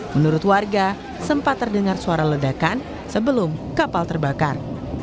menurut warga sempat terdengar suara ledakan sebelum kapal terbakar